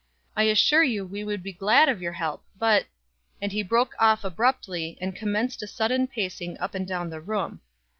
"I assure you we would be glad of your help, but," and he broke off abruptly, and commenced a sudden pacing up and down the room.